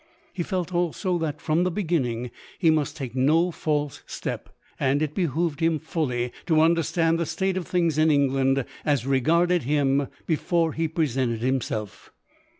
He felt, also, that, from the beginning, lie must take no false step ; and it behoved him fully to understand the state of things in England as regarded him, before he presentLd himself.